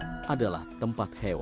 bagian bawah adalah tempat hewan